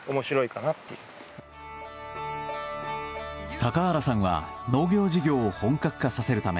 高原さんは農業事業を本格化させるため